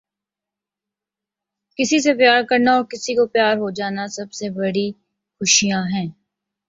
کسی سے پیار کرنا اور کسی کا پیار ہو جانا سب سے بڑی خوشیاں ہیں۔